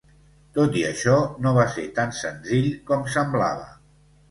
Tot i això, no va ser tan senzill com semblava.